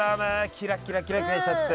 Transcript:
キラキラキラキラしちゃって。